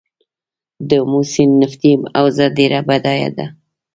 د امو سیند نفتي حوزه ډیره بډایه ده